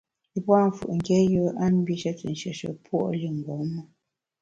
A pua’ mfù’ nké yùe a mbishe te nshieshe puo’ li mgbom me.